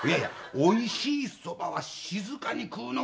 おいしいそばは静かに食うのがうまいから。